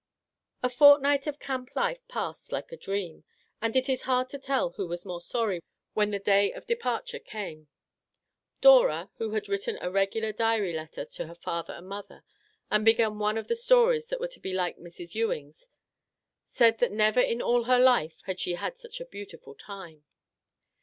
The fortnight of camp life passed like a dream, and it is hard to tell who was most sorry when the day of departure came. Dora, who had written a regular diary letter to her Our Little Canadian Cousin 69 father and mother, and begun one of the stories that were to be like Mrs. Ewing's, said that never in all her life had she had such a beautiful time.